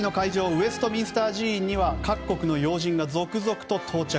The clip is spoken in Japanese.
ウェストミンスター寺院には各国の要人が続々と到着。